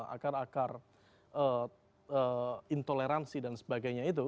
akar akar intoleransi dan sebagainya itu